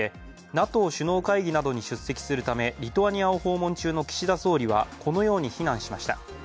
ＮＡＴＯ首脳会議などに出席するためリトアニアを訪問中の岸田総理は、このように非難しました。